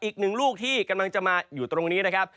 อีกหนึ่งลูกที่กำลังจะมาอยู่ตรงนี้นะครับ